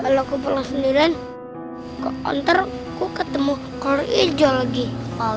kalau aku pulang sendirian ke kontor kuketemu kalau ijo lagi kalau